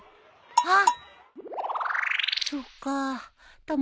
あっ！